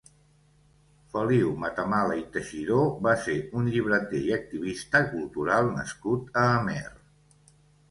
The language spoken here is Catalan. Feliu Matamala i Teixidor va ser un llibreter i activista cultural nascut a Amer.